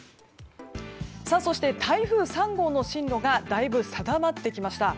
そして台風３号の進路がだいぶ定まってきました。